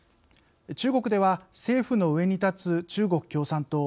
中国では政府の上に立つ中国共産党。